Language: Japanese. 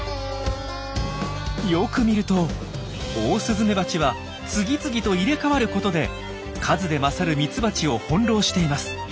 よく見るとオオスズメバチは次々と入れ代わることで数で勝るミツバチを翻弄しています。